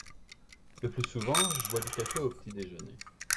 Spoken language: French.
Le plus souvent je bois du café au petit déjeuner.